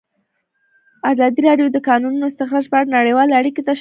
ازادي راډیو د د کانونو استخراج په اړه نړیوالې اړیکې تشریح کړي.